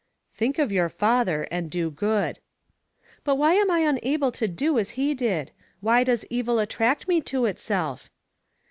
"Think of your father and do good." "But why am I unable to do as he did? Why does evil attract me to itself?"